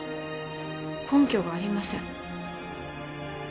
根拠がありません。